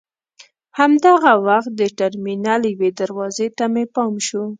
همدغه وخت د ټرمینل یوې دروازې ته مې پام شو.